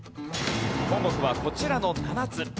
項目はこちらの７つ。